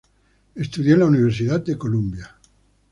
Estudió en la Universidad de Columbia.